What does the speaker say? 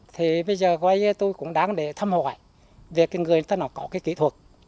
thì bây giờ tôi cũng đáng để thăm hỏi về cái người nó có cái kỹ thuật